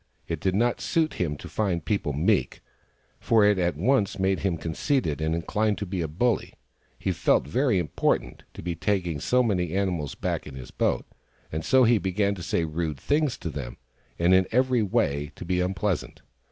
It did not suit him to find people meek, for it at once made him conceited and inclined to be a bully. He felt very important, to be taking so many animals back in his boat ; and so he began to say rude things to them, and in every way to be unpleasant.